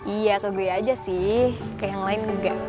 iya ke gue aja sih kayak yang lain enggak